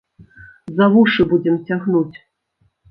За вушы будзем цягнуць!